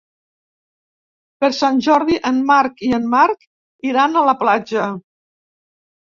Per Sant Jordi en Marc i en Marc iran a la platja.